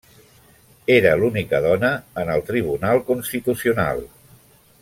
Era l'única dona en el Tribunal Constitucional.